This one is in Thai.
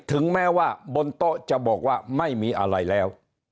ถึงแม้ว่าบนโต๊ะจะบอกว่าไม่มีอะไรแล้ว